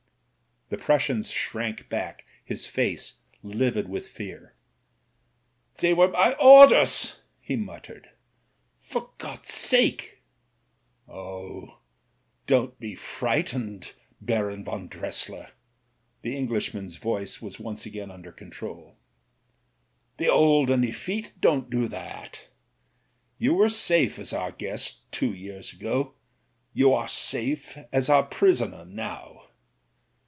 » The Prussian shrank back, his face livid with fear. "They were my orders," he muttered. "For God's sake " "Oh, don't be frightened, Baron von Dressier." The Englishman's voice was once again under control. "The old and effete don't do that. You were safe as our guest two years ago ; you are safe as our prisoner now.